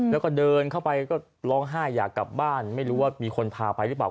แล้วก็เดินเข้าไปก็ร้องไห้อยากกลับบ้านไม่รู้ว่ามีคนพาไปหรือเปล่า